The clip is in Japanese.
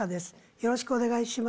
よろしくお願いします。